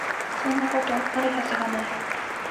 そんなこと、有る筈が無い